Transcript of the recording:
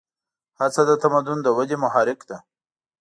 هڅه د تمدن د ودې محرک ده.